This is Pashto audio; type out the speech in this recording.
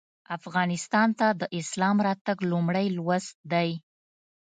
افغانستان ته د اسلام راتګ لومړی لوست دی.